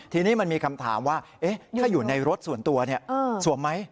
ทีนี้มันมีคำถามว่าถ้าอยู่ในรถส่วนตัวสวมไหม